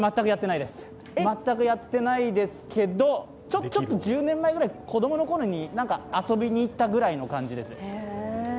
いや、全くやってないですけど１０年前ぐらい、子供のころに遊びに行ったくらいの感じです。